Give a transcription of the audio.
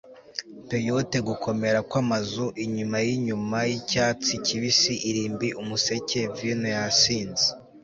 peyote gukomera kwamazu, inyuma yinyuma yicyatsi kibisi irimbi umuseke, vino yasinze